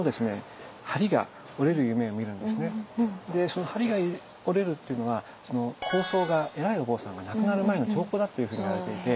その梁が折れるっていうのは高僧が偉いお坊さんが亡くなる前の兆候だというふうにいわれていて